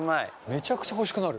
めちゃくちゃ欲しくなる。